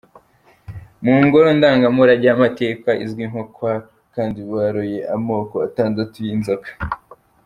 Mu Ngoro ndangamurage y’amateka izwi nko kwa Kandt baroye amoko atandatu y’inzoka.